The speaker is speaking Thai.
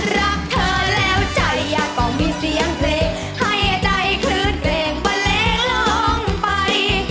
รักเธอแล้วใจก็มีเสียงเพลงให้ใจคลื่นเพลงเบลงลงไป